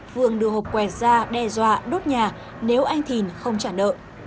phương đưa hộp quẹt ra đe dọa đốt nhà nếu anh thìn không trả nợ